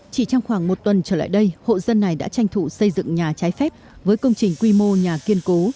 chỉ trong khoảng một tuần trở lại đây hộ dân này đã tranh thủ xây dựng nhà trái phép với công trình quy mô nhà kiên cố